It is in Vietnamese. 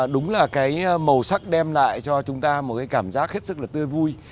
đúng là cái màu sắc đem lại cho chúng ta một cái cảm giác hết sức là tươi vui